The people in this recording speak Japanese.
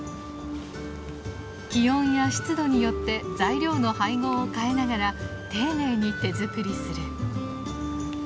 気温や湿度によって材料の配合を変えながら丁寧に手作りする。